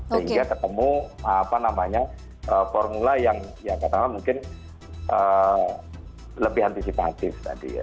sehingga ketemu apa namanya formula yang ya katakanlah mungkin lebih antisipatif tadi ya